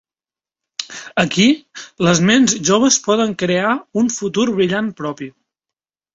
Aquí, les ments joves poden crear un futur brillant propi.